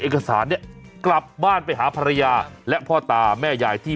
เอกสารเนี่ยกลับบ้านไปหาภรรยาและพ่อตาแม่ยายที่